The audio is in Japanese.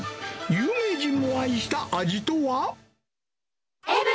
有名人も愛した味とは？